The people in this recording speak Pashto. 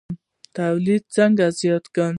تولید څنګه زیات کړو؟